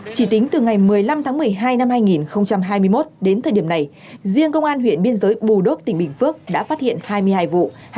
chỉ tính từ ngày một mươi năm tháng một mươi hai năm hai nghìn hai mươi một đến thời điểm này riêng công an huyện biên giới bù đốp tỉnh bình phước đã phát hiện hai mươi hai vụ